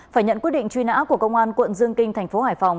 phải nhận quyết định truy nã của công an quận dương kinh tp hải phòng